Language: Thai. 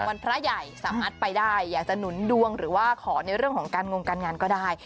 พระใหญ่สามารถไปได้อยากจะหนุนดวงหรือว่าขอในเรื่องของการงงการงานก็ได้